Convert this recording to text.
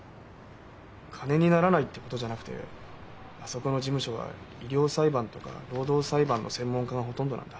金にならないってことじゃなくてあそこの事務所は医療裁判とか労働裁判の専門家がほとんどなんだ。